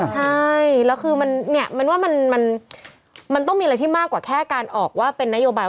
ใช่แล้วคือมันเนี่ยมันว่ามันต้องมีอะไรที่มากกว่าแค่การออกว่าเป็นนโยบาย